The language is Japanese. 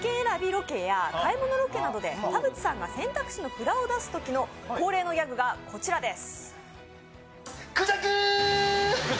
ロケや買い物ロケで田渕さんが選択肢の札を出すときの恒例のギャグがこちらです。